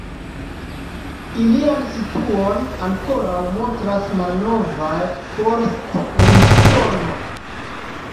Ilian situon ankoraŭ montras malnovaj forst-limŝtonoj.